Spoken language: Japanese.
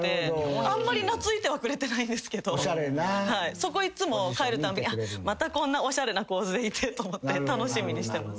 そこいつも帰るたびまたこんなおしゃれな構図でいてと思って楽しみにしてます。